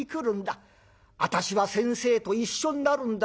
私は先生と一緒になるんだ。